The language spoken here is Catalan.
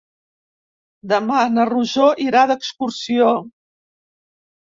Demà na Rosó irà d'excursió.